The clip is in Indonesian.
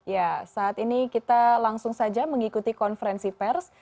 ya saat ini kita langsung saja mengikuti konferensi pers